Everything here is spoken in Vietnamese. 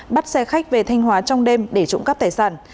bắt xe khách về thanh hóa trong đêm để trộm cắp tài sản